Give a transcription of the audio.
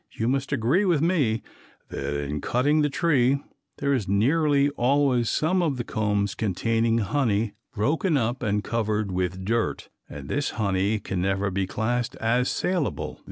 You must agree with me that in cutting the tree, there is nearly always some of the combs containing honey broken up and covered with dirt, and this honey can never be classed as salable.